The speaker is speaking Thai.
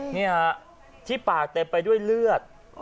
นี่ฮะที่ปากเต็มไปด้วยเลือด